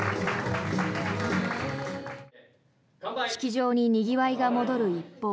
式場ににぎわいが戻る一方